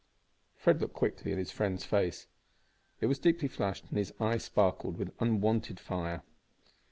Fred looked quickly in his friend's face. It was deeply flushed, and his eye sparkled with unwonted fire.